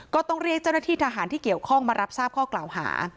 ก็ต้องเรียกเจ้าหน้าที่ทหารที่เกี่ยวข้องมารับทราบข้อกล่าวหา